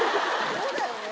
そうだよね。